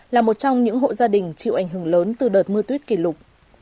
là một trong những hộ gia đình chịu ảnh hưởng lớn từ đợt mưa tuyết kỷ lục